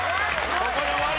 ここで終わり！